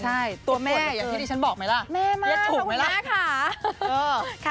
ตัวแม่อย่างที่ฉันบอกไหมล่ะแม่มากขอบคุณมากค่ะ